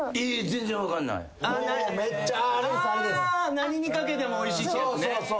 何にかけてもおいしいってやつね。